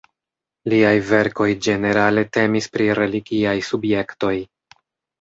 Liaj verkoj ĝenerale temis pri religiaj subjektoj.